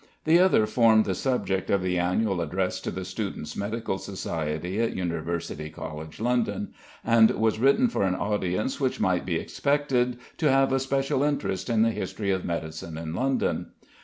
The other formed the subject of the annual address to the Students' Medical Society at University College, London, and was written for an audience which might be expected to have a special interest in the History of Medicine in London.